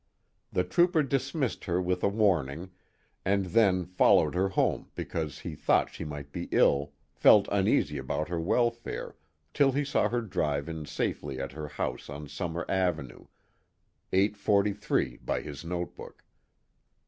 The trooper dismissed her with a warning, and then followed her home because he thought she might be ill, felt uneasy about her welfare till he saw her drive in safely at her house on Summer Avenue 8:43 by his notebook.